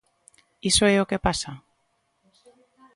¿Iso é o que pasa?